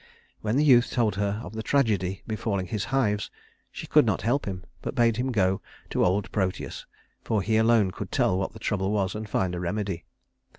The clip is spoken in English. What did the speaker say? When the youth told her of the tragedy befalling his hives, she could not help him, but bade him go to old Proteus, for he alone could tell what the trouble was and find a remedy.